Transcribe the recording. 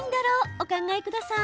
お考えください。